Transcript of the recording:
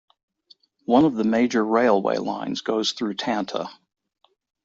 One of the major railway lines goes through Tanta.